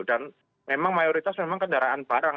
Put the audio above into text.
dan memang mayoritas memang kendaraan barang